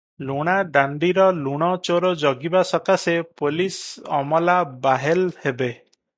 ଲୁଣାଦାଣ୍ଡିର ଲୁଣ ଚୋର ଜଗିବା ସକାଶେ ପୋଲିଶ ଅମଲା ବାହେଲ ହେବେ ।